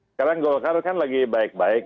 sekarang golkar kan lagi baik baik